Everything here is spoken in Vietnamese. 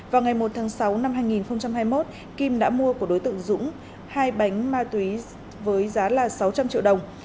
vào ngày một tháng sáu năm hai nghìn hai mươi một kim đã mua của đối tượng dũng hai bánh ma túy với giá là sáu trăm linh triệu đồng